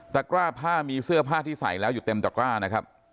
กร้าผ้ามีเสื้อผ้าที่ใส่แล้วอยู่เต็มตะกร้านะครับ